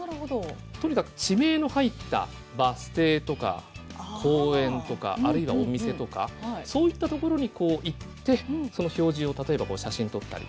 とにかく地名の入ったバス停とか公園とかあるいはお店とかそういったところに行ってその表示を例えば写真撮ったり。